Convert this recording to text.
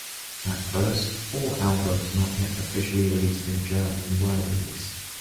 At first, all albums not yet officially released in Germany were released.